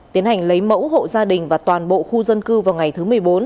tiến hành lấy mẫu hộ gia đình và toàn bộ khu dân cư vào ngày thứ một mươi bốn